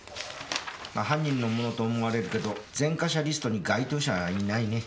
ま犯人のものと思われるけど前科者リストに該当者はいないね。